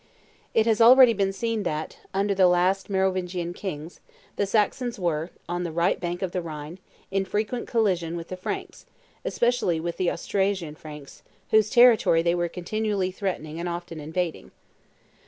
It has already been seen that, under the last Merovingian kings, the Saxons were, on the right bank of the Rhine, in frequent collision with the Franks, especially with the Austrasian Franks, whose territory they were continually threatening and often invading.